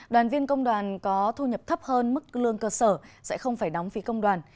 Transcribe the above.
đoàn viên công đoàn có thu nhập thấp hơn mức lương cơ sở sẽ không phải đóng phí công đoàn